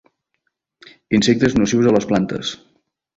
Insectes nocius a les plantes.